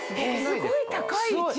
すごい高い位置。